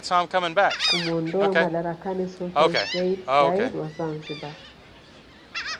kumuondoa madarakani Sultani seyyid said wa Zanzibar